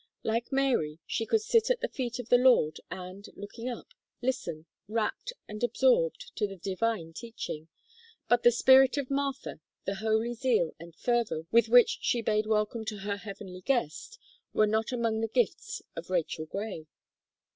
Like Mary, she could sit at the feet of the Lord, and, looking up, listen, rapt and absorbed, to the divine teaching. But the spirit of Martha, the holy zeal and fervour with which she bade welcome to her heavenly guest, were not among the gifts of Rachel Gray.